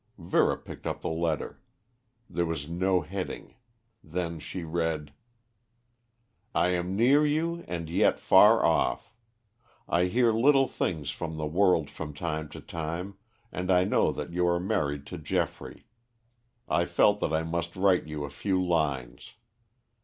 Vera picked up the letter. There was no heading. Then she read: "I am near you and yet far off. I hear little things from the world from time to time, and I know that you are married to Geoffrey. I felt that I must write you a few lines.